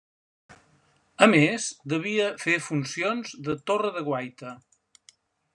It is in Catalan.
A més, devia fer funcions de torre de guaita.